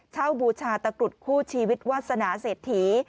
บูชาตะกรุดคู่ชีวิตวาสนาเศรษฐี